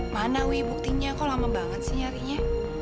mana wi buktinya kok lama banget sih nyarinya